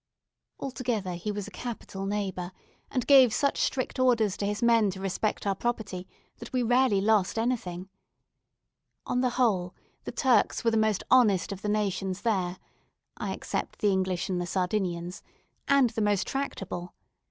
Altogether he was a capital neighbour, and gave such strict orders to his men to respect our property that we rarely lost anything. On the whole, the Turks were the most honest of the nations there (I except the English and the Sardinians), and the most tractable.